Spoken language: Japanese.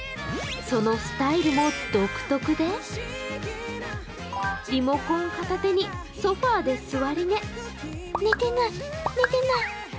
そのスタイルも独特でリモコン片手にソファーで座り寝。